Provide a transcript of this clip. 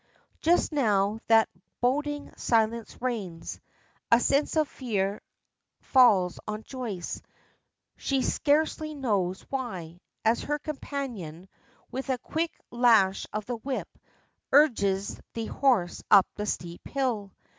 Just now that "boding silence reigns." A sense of fear falls on Joyce, she scarcely knows why, as her companion, with a quick lash of the whip, urges the horse up the steep hill.